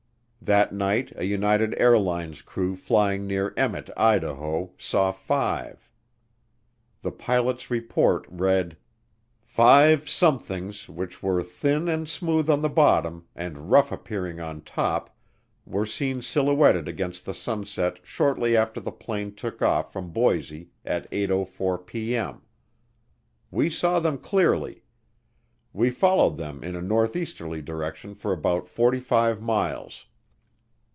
That night a United Airlines crew flying near Emmett, Idaho, saw five. The pilot's report read: Five "somethings," which were thin and smooth on the bottom and rough appearing on top, were seen silhouetted against the sunset shortly after the plane took off from Boise at 8:04P.M. We saw them clearly. We followed them in a northeasterly direction for about 45 miles.